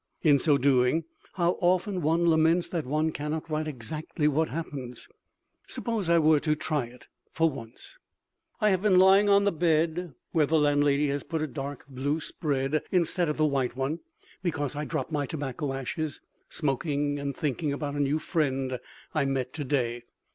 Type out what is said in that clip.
In so doing, how often one laments that one cannot write exactly what happens. Suppose I were to try it for once! I have been lying on the bed where the landlady has put a dark blue spread, instead of the white one, because I drop my tobacco ashes smoking, and thinking about a new friend I met today.